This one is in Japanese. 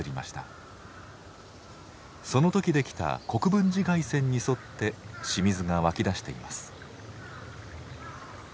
その時出来た国分寺崖線に沿って清水が湧き出しています。